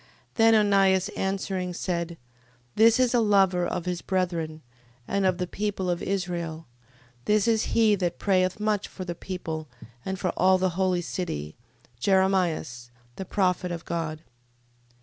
Then Onias answering, said: This is a lover of his brethren, and of the people of Israel: this is he that prayeth much for the people, and for all the holy city, Jeremias, the prophet of God.